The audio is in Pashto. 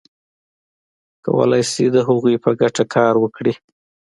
کولای شي د هغوی په ګټه کار وکړي.